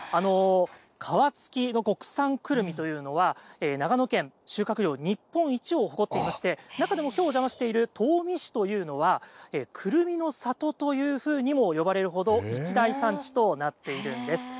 殻付きの国産くるみというのは、長野県、収穫量日本一を誇っていまして、中でもきょうお邪魔している東御市というのは、くるみの里というふうにも呼ばれるほど、一大産地となっているんです。